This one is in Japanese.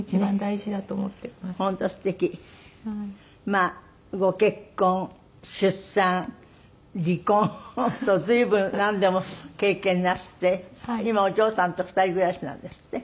まあご結婚出産離婚と随分なんでも経験なすって今お嬢さんと二人暮らしなんですって？